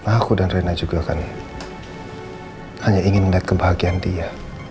aku dan rena juga kan hanya ingin melihat kebahagiaan dia